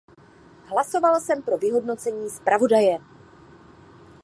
Hlasoval jsem pro vyhodnocení zpravodaje.